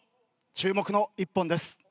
注目の１本です。